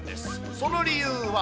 その理由は。